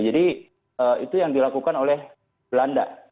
jadi itu yang dilakukan oleh belanda